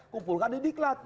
kumpulkan di diklat